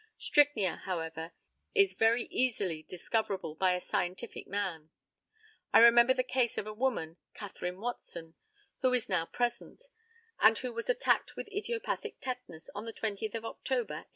Strychnia, however, is very easily discoverable by a scientific man. I remember the case of a woman, Catherine Watson, who is now present, and who was attacked with idiopathic tetanus on the 20th of October, 1855.